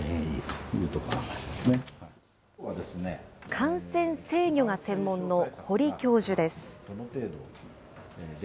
感染制御が専門の堀教授です。